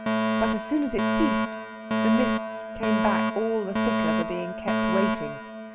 But as soon as it ceased, the mists came back all the thicker for being kept waiting.